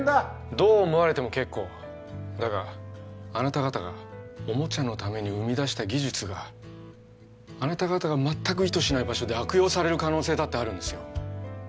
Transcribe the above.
どう思われても結構だがあなた方がおもちゃのために生み出した技術があなた方が全く意図しない場所で悪用される可能性だってあるんですよ